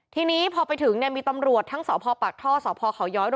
ทีนี้พอไปถึงเนี่ยมีตำรวจทั้งสาวพอร์ปากท่อสาวพอร์เขาย้อย